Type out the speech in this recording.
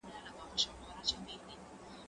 کېدای سي واښه ګډه وي؟!